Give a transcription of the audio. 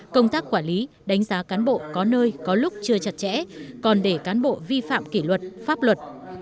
công tác quản lý đánh giá cán bộ có nơi có lúc chưa chặt chẽ còn để cán bộ vi phạm kỷ luật pháp luật